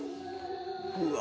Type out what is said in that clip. うわ